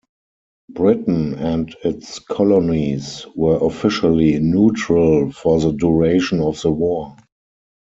Britain and its colonies were officially neutral for the duration of the war.